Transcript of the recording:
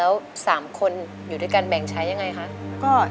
แล้ว๓คนอยู่ด้วยกันแบ่งใช้ยังไงคะ